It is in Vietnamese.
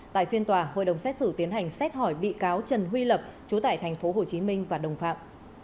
tại phiên tòa hội đồng xét xử tiến hành xét hỏi bị cáo trần huy lập chú tại tp hcm và đồng phạm